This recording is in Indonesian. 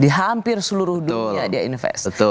di hampir seluruh dunia dia investasi